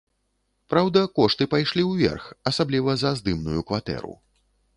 Праўда, кошты пайшлі ўверх, асабліва за здымную кватэру.